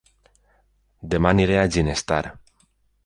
Dema aniré a Ginestar